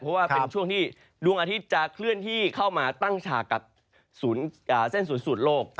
เพราะว่าเป็นช่วงที่ดวงอาทิตย์จะเคลื่อนที่เข้ามาตั้งฉากกับเส้นศูนย์สูตรโลก